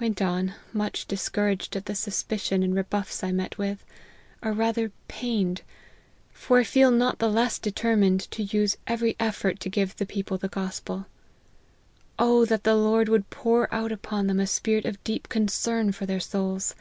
Went on, much dis couraged at the suspicion and rebuffs I met with, or rather pained / for I feel not the less determined to use every effort to give the people the gospel. Oh ! that the Lord would pour out upon them a spirit of deep concern for their souls